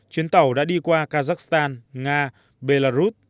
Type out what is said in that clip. chuyến tàu đã đi qua kazakhstan nga belarus